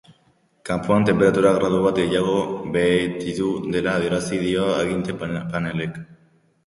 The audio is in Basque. Kanpoan tenperatura gradu bat gehiago beheititu dela adierazi dio aginte-panelak.